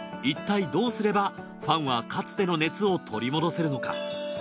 いったいどうすればファンはかつての熱を取り戻せるのか？